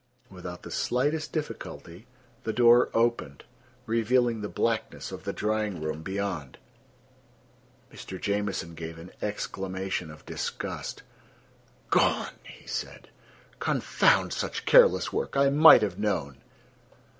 Without the slightest difficulty the door opened, revealing the blackness of the drying room beyond! Mr. Jamieson gave an exclamation of disgust. "Gone!" he said. "Confound such careless work! I might have known."